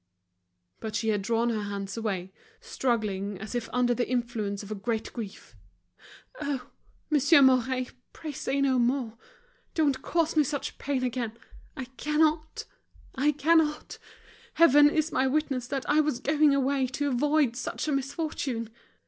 But she had drawn her hands away, struggling as if under the influence of a great grief. "Oh! Monsieur Mouret. Pray say no more. Don't cause me such pain again! I cannot! I cannot! Heaven is my witness that I was going away to avoid such a misfortune!"